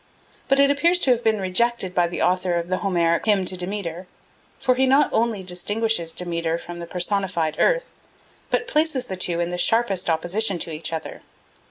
But it appears to have been rejected by the author of the Homeric hymn to Demeter, for he not only distinguishes Demeter from the personified Earth but places the two in the sharpest opposition to each other.